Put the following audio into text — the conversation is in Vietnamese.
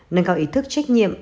nâng cao ý thức trách nhiệm